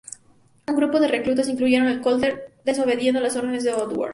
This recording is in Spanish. Un grupo de reclutas, incluyendo a Colter, desobedeció las órdenes de Ordway.